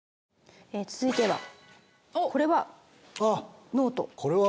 続いてはこれは？